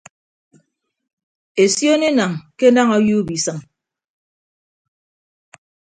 Esion enañ ke enañ ọyuup isịm.